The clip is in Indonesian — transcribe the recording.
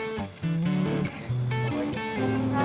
oke selamat tinggal